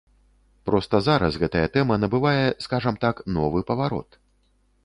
Проста зараз гэтая тэма набывае, скажам так, новы паварот.